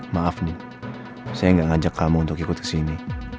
maaf nih saya nggak ngajak kamu untuk ikut kesini